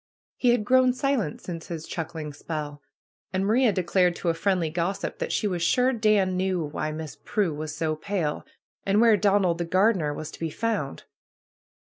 He had grown silent since his chuck ling spell. And Maria declared to a friendly gossip that she was sure Dan knew why Miss Pnie was so pale, and where Donald the gardener was to be found.